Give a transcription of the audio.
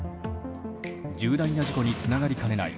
重大な事故につながりかねない